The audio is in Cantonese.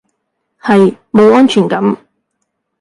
係，冇安全感